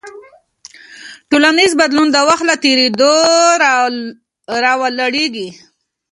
ټولنیز بدلون د وخت له تېرېدو راولاړېږي.